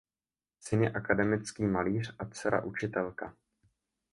Syn je akademický malíř a dcera učitelka.